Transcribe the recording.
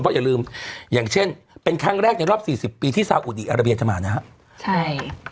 เพราะอย่าลืมอย่างเช่นเป็นครั้งแรกในรอบ๔๐ปีที่สาวอุดีอาระเบียจะมานะครับ